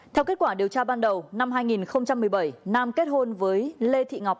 theo kết quả điều tra ban đầu năm hai nghìn một mươi bảy nam kết hôn với lê thị ngọc